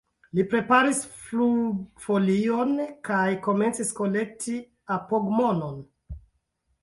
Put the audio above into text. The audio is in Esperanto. Li preparis flugfolion kaj komencis kolekti apogmonon.